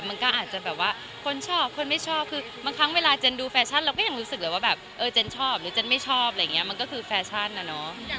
มันก็อาจจะแบบว่าคนชอบคนไม่ชอบคือบางครั้งเวลาเจนดูแฟชั่นเราก็ยังรู้สึกเลยว่าแบบเออเจนชอบหรือเจนไม่ชอบอะไรอย่างนี้มันก็คือแฟชั่นนะเนาะ